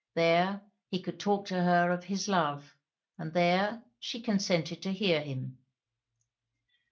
There, he could talk to her of his love; and there, she consented to hear him.